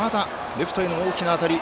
レフトへの大きな当たり。